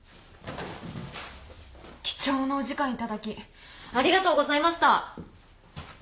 貴重なお時間頂きありがとうございました。